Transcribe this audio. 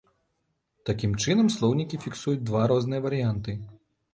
Такім чынам, слоўнікі фіксуюць два розныя варыянты.